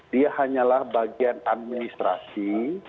dia hanyalah bagian administrasi